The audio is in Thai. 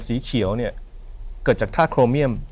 สีเขียวเนี่ยเกิดจากท่าโครเมียม